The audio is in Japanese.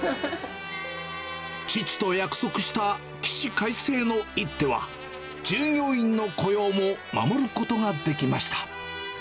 父と約束した起死回生の一手は、従業員の雇用も守ることができました。